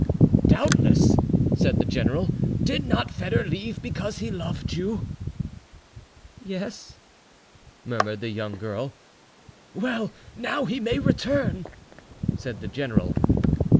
"Doubtless," said the general. "Did not Foedor leave because he loved you?" "Yes," murmured the young girl. "Well, now he may return," said the general.